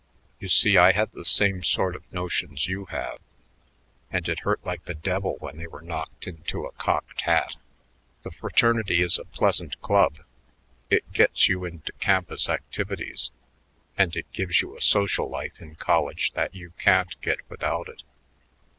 You see, I had the same sort of notions you have and it hurt like the devil when they were knocked into a cocked hat. The fraternity is a pleasant club: it gets you into campus activities; and it gives you a social life in college that you can't get without it.